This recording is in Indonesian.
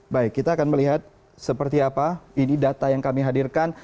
baik kita akan melihat seperti apa ini data yang kami hadirkan